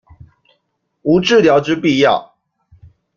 無治療之必要